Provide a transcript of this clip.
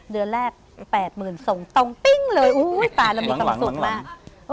เดือนแรกแปดหมื่นส่งตรงปิ๊งเลยอู้วววตายเรามีความสุขแล้ว